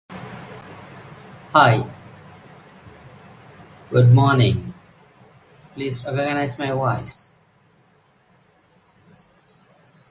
The mother tongue of most residents is, and has always been, French.